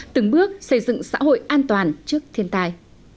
từng bước xây dựng xã hội an toàn trước thiên tai